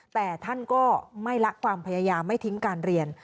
แต่ท่านก็ไม่ละความพยายามไม่ทิ้งการเรียน